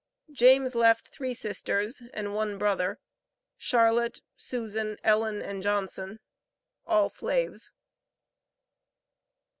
James left three sisters and one brother, Charlotte, Susan, Ellen and Johnson, all slaves.